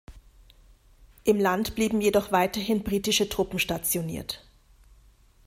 Im Land blieben jedoch weiterhin britische Truppen stationiert.